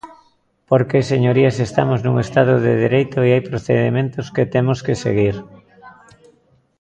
Porque, señorías, estamos nun Estado de dereito e hai procedementos que temos que seguir.